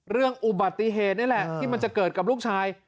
เรื่องอุบัติเหตุนี่แหละที่มันจะเกิดกับลูกชาย